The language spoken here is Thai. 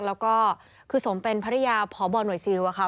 แล้วก็คือสมเป็นภรรยาพบหน่วยซิลอะค่ะ